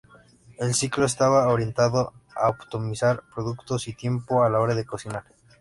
El ciclo estaba orientado a optimizar productos y tiempo a la hora de cocinar.